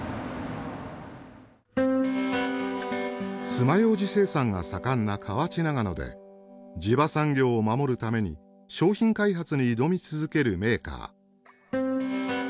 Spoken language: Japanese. つまようじ生産が盛んな河内長野で地場産業を守るために商品開発に挑み続けるメーカー。